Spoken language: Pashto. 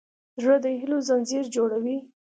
زړه د هيلو ځنځیر جوړوي.